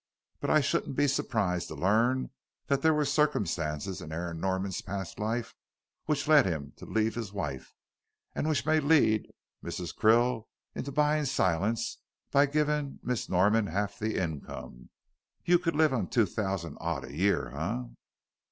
But I shouldn't be surprised to learn that there were circumstances in Aaron Norman's past life which led him to leave his wife, and which may lead Mrs. Krill into buying silence by giving Miss Norman half the income. You could live on two thousand odd a year, eh?"